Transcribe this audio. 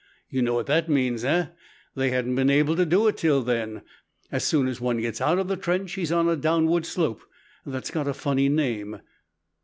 You know what that means, eh? They hadn't been able to do it till then. As soon as one gets out of the trench he's on a downward slope, that's got a funny name."